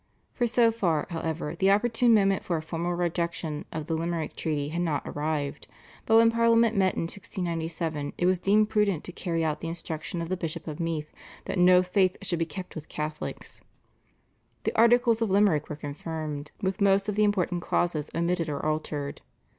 For so far, however, the opportune moment for a formal rejection of the Limerick Treaty had not arrived. But when Parliament met in 1697 it was deemed prudent to carry out the instruction of the Bishop of Meath, that no faith should be kept with Catholics. The Articles of Limerick were confirmed with most of the important clauses omitted or altered.